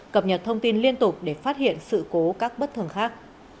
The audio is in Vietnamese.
cập nhật thông tin liên tục để phát hiện sự cố các bất thường khác